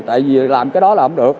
tại vì làm cái đó là không được